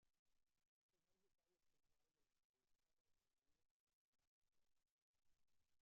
Sr. Vicario General del Arzobispado de Sevilla de las primeras reglas.